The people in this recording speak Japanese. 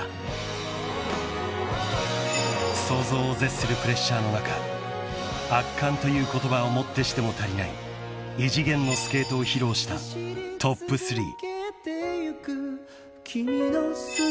［想像を絶するプレッシャーの中圧巻という言葉をもってしても足りない異次元のスケートを披露したトップスリー］